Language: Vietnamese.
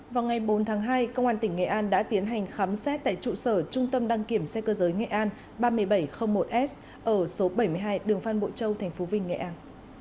vào ngày bốn tháng hai công an tỉnh nghệ an đã tiến hành khám xét tại trụ sở trung tâm đăng kiểm xe cơ giới nghệ an ba nghìn bảy trăm linh một s ở số bảy mươi hai đường phan bội châu tp vinh nghệ an